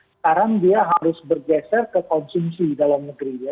sekarang dia harus bergeser ke konsumsi di dalam negeri ya